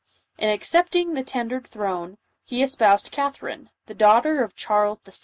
In accepting the tendered throne, he espoused Catherine, the daughter of Charles VI.